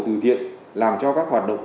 thử thiện làm cho các hoạt động